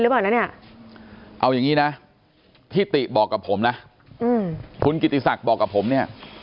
นะเนี่ยเอาอย่างนี้นะที่ติบอกกับผมนะคุณกิติศักดิ์บอกกับผมเนี่ย